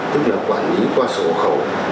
tức là quản lý qua sổ khẩu